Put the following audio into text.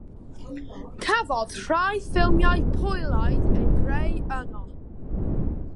Cafodd rhai ffilmiau Pwylaidd eu creu yno.